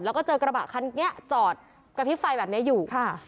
แล้วก็เจอกระบะคันนี้จอดกระพริบไฟแบบนี้อยู่ค่ะ